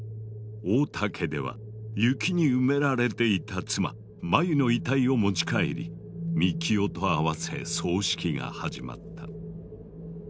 太田家では雪に埋められていた妻・マユの遺体を持ち帰り幹雄とあわせ葬式が始まった。